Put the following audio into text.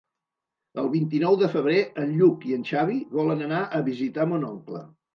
El vint-i-nou de febrer en Lluc i en Xavi volen anar a visitar mon oncle.